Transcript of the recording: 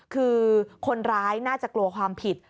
คือคนร้ายน่าจะกลัวความผิด